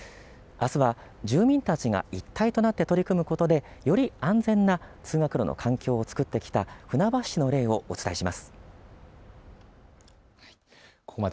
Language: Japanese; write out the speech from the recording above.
あすは住民たちが一体となって取り組むことで、より安全な通学路の環境を作ってきた船橋市の例をお伝えします。